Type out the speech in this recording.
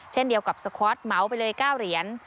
เช่นเดียวกับสควอตเหมาไปเลย๙เหรียญ